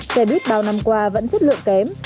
xe buýt bao năm qua vẫn chất lượng kém